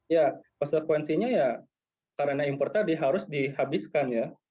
ya konsekuensinya ya karena impor tadi harus dihabiskan ya